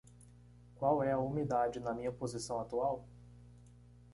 Qual é a umidade na minha posição atual?